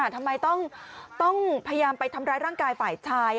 ทำไมต้องพยายามไปทำร้ายร่างกายฝ่ายชาย